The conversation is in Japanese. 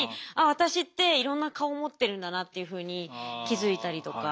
私っていろんな顔を持ってるんだなっていうふうに気付いたりとか。